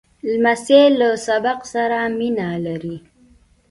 لمسی له سبق سره مینه لري.